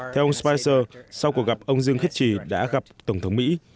theo ông spueser sau cuộc gặp ông dương khiết trì đã gặp tổng thống mỹ